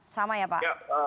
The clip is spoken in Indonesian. sama ya pak